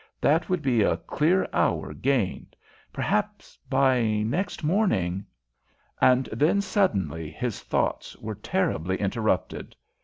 That would be a clear hour gained. Perhaps by next morning And then, suddenly, his thoughts were terribly interrupted.